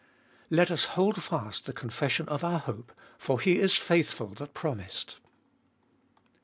Let us hold fast the confession of our hope, for He is faithful that promised.